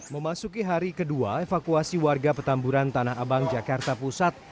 memasuki hari kedua evakuasi warga petamburan tanah abang jakarta pusat